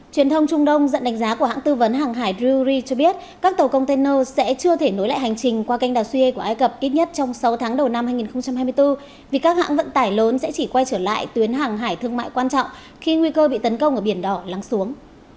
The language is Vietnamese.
truyền thông trung đông dẫn đánh giá của hãng tư vấn hàng hải dury cho biết các tàu container sẽ chưa thể nối lại hành trình qua kênh đà xuyê của ái cập ít nhất trong sáu tháng đầu năm hai nghìn hai mươi bốn vì các hãng vận tải lớn sẽ chỉ quay trở lại tuyến hàng hải thương mại quan trọng khi nguy cơ bị tấn công ở biển đỏ lắng xuống